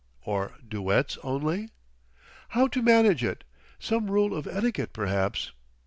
"Or duets only?... "How to manage it? Some rule of etiquette, perhaps."...